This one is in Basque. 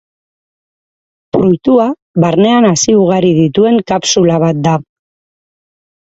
Fruitua barnean hazi ugari dituen kapsula bat da.